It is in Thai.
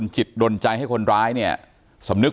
ที่มีข่าวเรื่องน้องหายตัว